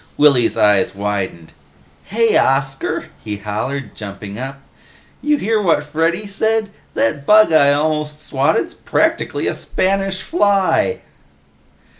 Willy's eyes widened. "Hey, Oscar," he hollered, jumping up. "You hear what Freddy said? That bug I almost swatted's practically a Spanish Fly!"